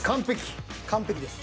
完璧です。